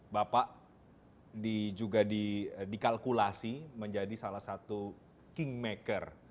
bapak juga dikalkulasi menjadi salah satu kingmaker